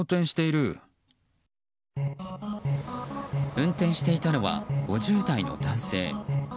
運転していたのは５０代の男性。